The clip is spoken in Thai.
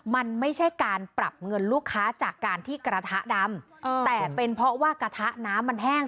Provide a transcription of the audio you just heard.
มันไม่ใช่การปรับเงินลูกค้าจากการที่กระทะดำแต่เป็นเพราะว่ากระทะน้ำมันแห้ง